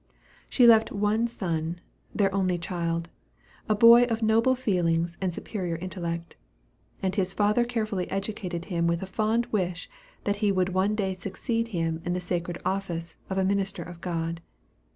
She left one son their only child a boy of noble feelings and superior intellect; and his father carefully educated him with a fond wish that he would one day succeed him in the sacred office of a minister of God.